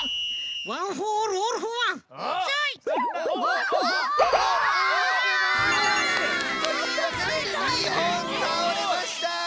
わっ！というわけで２ほんたおれました！